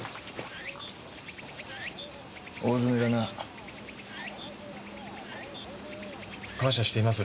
大詰めだな。感謝しています。